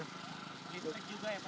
listrik juga ya pak